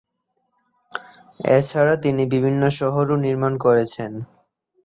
এছাড়া তিনি বিভিন্ন শহরও নির্মাণ করেছেন।